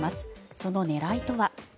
その狙いとは。